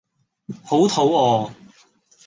好肚餓